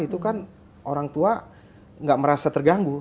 itu kan orang tua nggak merasa terganggu